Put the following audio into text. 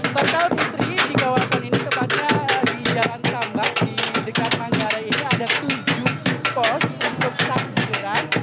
tetap fitri di kawasan ini tepatnya di jalan sambak di dekat manggara ini ada tujuh pos untuk takbiran